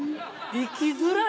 生きづらい。